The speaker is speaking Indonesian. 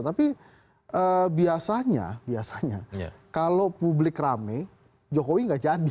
tapi biasanya biasanya kalau publik rame jokowi nggak jadi